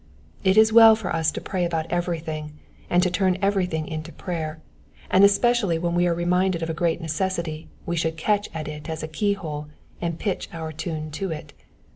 It is well for us to pray about everything, and turn everthing into prayer; and especially when we are reminded of a great necessity we should catch at it as a keynote, and pitch our tune to it.